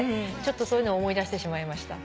そういうのを思い出してしまいました。